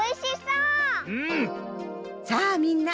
うん。